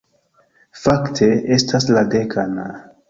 Fakte, estas la dekan...